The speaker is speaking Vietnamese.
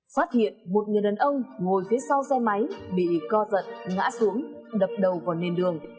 phát hiện một người đàn ông ngồi phía sau xe máy bị co giật ngã xuống đập đầu vào nền đường